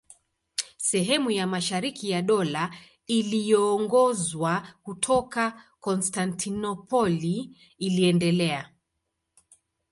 Sehemu ya mashariki ya Dola iliyoongozwa kutoka Konstantinopoli iliendelea.